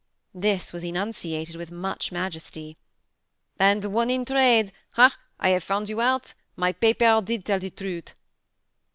This was enunciated with much majesty. " And one in trade ; ha, I have found you out ; my paper did tell the truth."